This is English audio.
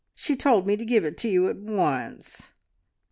She told me to give it to you at once."